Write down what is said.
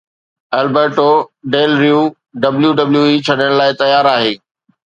Alberto Del Rio WWE ڇڏڻ لاء تيار آهي